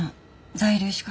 在留資格